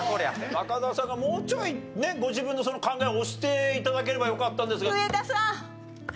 中田さんがもうちょいねご自分のその考えを推して頂ければよかったんですが。